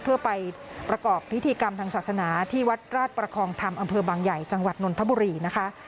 เพื่อไปประกอบพิธีกรรมทางศาสนาที่วัดราชประคองธรรมอำเภอบางใหญ่จังหวัดนนทบุรีนะคะ